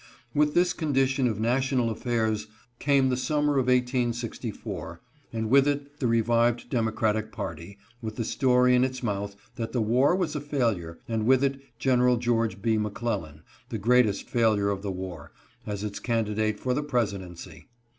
Wjth this condition of national affairs came the sum mer of 1864, and with it the revived Democratic party with the story in its mouth that the war was a failure, and with it Gen. George B. McClellan, the greatest failure of the war, as its candidate for the presidency.